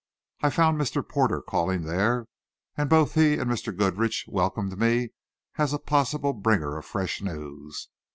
I found Mr. Porter calling there, and both he and Mr. Goodrich welcomed me as a possible bringer of fresh news.